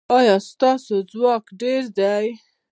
ایا ستاسو ځواک ډیر دی؟